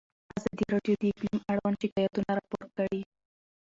ازادي راډیو د اقلیم اړوند شکایتونه راپور کړي.